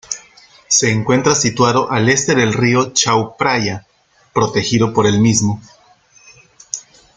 Se encuentra situado al este del río Chao Phraya, protegido por el mismo.